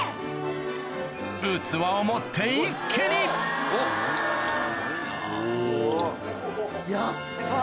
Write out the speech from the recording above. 器を持って一気にやった。